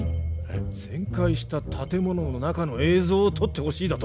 全壊した建物の中の映像を撮ってほしいだと？